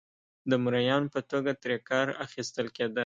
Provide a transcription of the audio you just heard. د مریانو په توګه ترې کار اخیستل کېده.